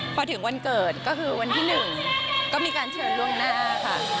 พอถึงวันเกิดก็คือวันที่๑ก็มีการเชิญล่วงหน้าค่ะ